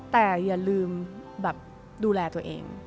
แต่อย่าลืมแบบดูแลตัวเอง